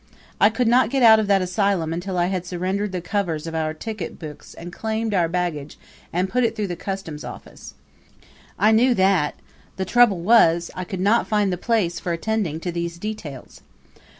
I could not get out of that asylum until I had surrendered the covers of our ticket books and claimed our baggage and put it through the customs office. I knew that; the trouble was I could not find the place for attending to these details.